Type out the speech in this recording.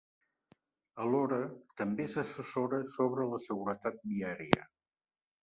Alhora, també s’assessora sobre la seguretat viària.